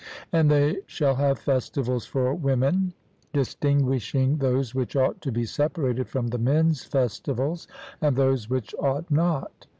And they shall have festivals for women, distinguishing those which ought to be separated from the men's festivals, and those which ought not.